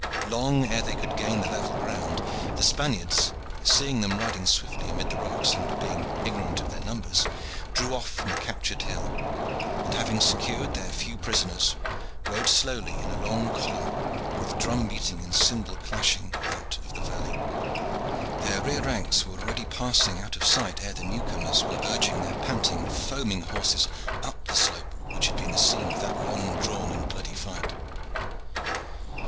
Long ere they could gain the level ground, the Spaniards, seeing them riding swiftly amid the rocks, and being ignorant of their numbers, drew off from the captured hill, and, having secured their few prisoners, rode slowly in a long column, with drum beating and cymbal clashing, out of the valley. Their rear ranks were already passing out of sight ere the new comers were urging their panting, foaming horses up the slope which had been the scene of that long drawn and bloody fight.